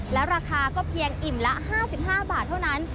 แล้วราคาก็เพียงอิ่มละ๕๕บาทเท่านั้น